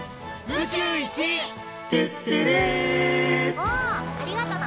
おありがとな！